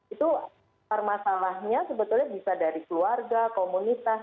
itu permasalahnya sebetulnya bisa dari keluarga komunitas